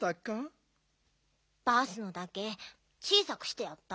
バースのだけ小さくしてやった。